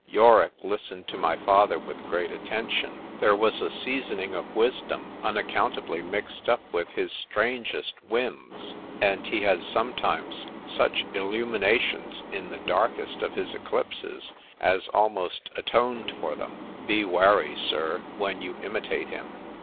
_ Yorick listened to my father with great attention; there was a seasoning of wisdom unaccountably mixed up with his strangest whims, and he had sometimes such illuminations in the darkest of his eclipses, as almost atoned for them:—be wary, Sir, when you imitate him.